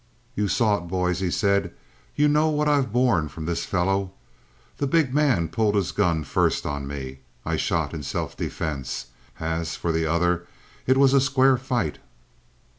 "You saw it, boys," he said. "You know what I've borne from this fellow. The big man pulled his gun first on me. I shot in self defense. As for the other it was a square fight."